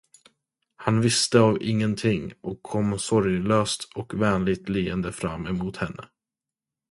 Han visste av ingenting och kom sorglöst och vänligt leende fram emot henne.